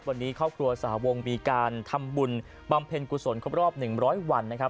วันนี้ครอบครัวสหวงมีการทำบุญบำเพ็ญกุศลครบรอบ๑๐๐วันนะครับ